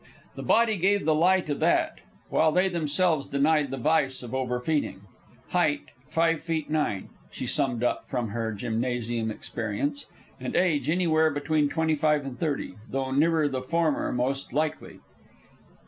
The body gave the lie to that; while they themselves denied the vice of over feeding. Height, five feet, nine, she summed up from out of her gymnasium experience; and age anywhere between twenty five and thirty, though nearer the former most likely.